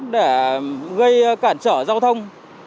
để gây cản trở giao thông